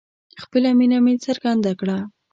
خپله مینه مې څرګنده کړه